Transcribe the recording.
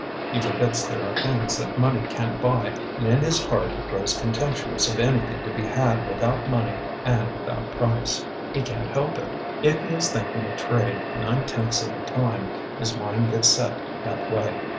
He forgets there are things that money can't buy, and in his heart he grows contemptuous of anything to be had 'without money and without price.' He can't help it. If he is thinking of trade nine tenths of the time, his mind gets set that way.